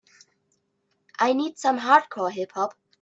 I need some Hardcore Hip Hop